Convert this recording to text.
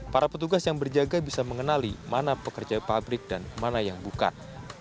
para petugas yang berjaga bisa mengenali mana pekerja pabrik dan mana yang bukan